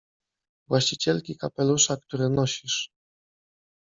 — Właścicielki kapelusza, który nosisz.